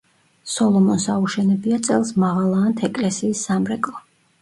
სოლომონს აუშენებია წელს მაღალაანთ ეკლესიის სამრეკლო.